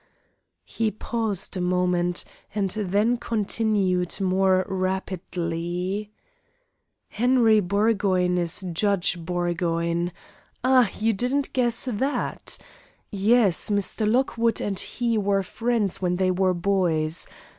He paused a moment, and then continued more rapidly: "Henry Burgoyne is Judge Burgoyne. Ah! you didn't guess that? Yes, Mr. Lockwood and he were friends when they were boys.